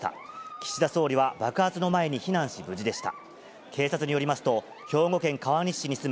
岸田総理は爆発の前に避難し、無事でした。